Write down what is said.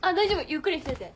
ゆっくりしてて。